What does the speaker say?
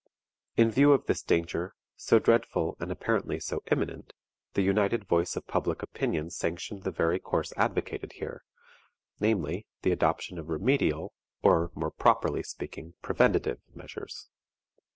In view of this danger, so dreadful and apparently so imminent, the united voice of public opinion sanctioned the very course advocated here; namely, the adoption of remedial, or, more properly speaking, preventive measures.